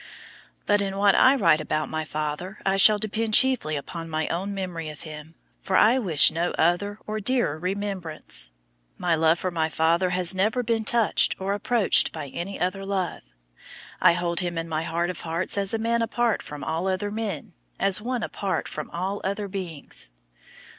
But in what I write about my father I shall depend chiefly upon my own memory of him, for I wish no other or dearer remembrance. My love for my father has never been touched or approached by any other love. I hold him in my heart of hearts as a man apart from all other men, as one apart from all other beings.